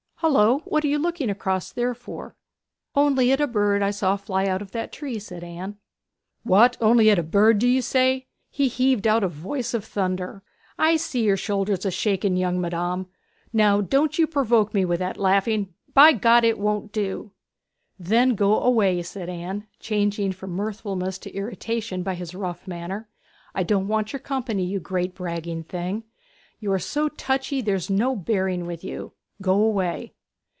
Hullo! what are you looking across there for?' 'Only at a bird that I saw fly out of that tree,' said Anne. 'What? Only at a bird, do you say?' he heaved out in a voice of thunder. 'I see your shoulders a shaking, young madam. Now don't you provoke me with that laughing! By God, it won't do!' 'Then go away!' said Anne, changed from mirthfulness to irritation by his rough manner. 'I don't want your company, you great bragging thing! You are so touchy there's no bearing with you. Go away!'